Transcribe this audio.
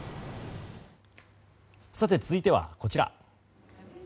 さて、続いてはこちら。